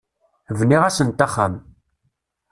Bniɣ-asent axxam.